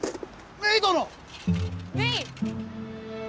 メイ！